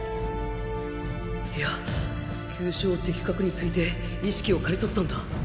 いや急所を的確に突いて意識を刈り取ったんだ。